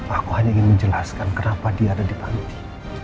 aku hanya ingin menjelaskan kenapa dia ada di panti